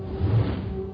meski aku tau itu dulu